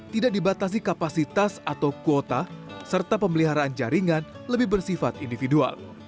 tidak dibatasi kapasitas atau kuota serta pemeliharaan jaringan lebih bersifat individual